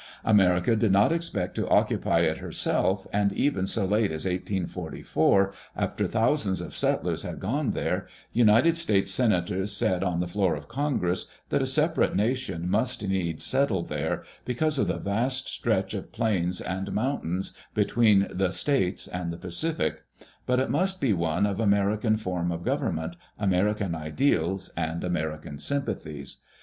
America did not expect to occupy it herself, and even so late as 1844, after thousands of settlers had gone there, United States senators said on the floor of Congress that a separate nation must needs settle there, because of the vast stretch of plains and mountains between "the Statues" and the Pacific, but it must be one of American form of government, American ideals, and American sympathies.